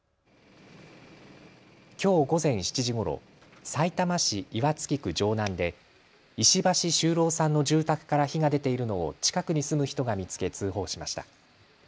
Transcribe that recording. きょう午前７時ごろ、さいたま市岩槻区城南で石橋秀郎さんの住宅から火が出ているのを近くに住む人が見つけ通報しました。